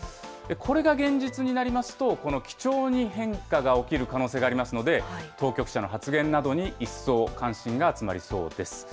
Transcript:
これが現実になりますと、この基調に変化が起きる可能性がありますので、当局者の発言などに一層関心が集まりそうです。